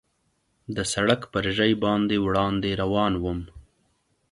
د سړک پر ژۍ باندې وړاندې روان ووم.